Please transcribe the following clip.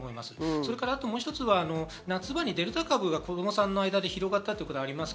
それから、あともう一つは夏場にデルタ株が子供さんの間で広がったことがあります。